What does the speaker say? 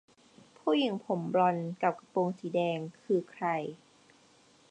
ผู้หญิงผมบลอนด์กับกระโปรงสีแดงคือใคร ?